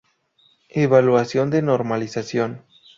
Evaluación de normalización.